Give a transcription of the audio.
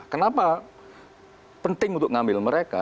kenapa penting untuk ngambil mereka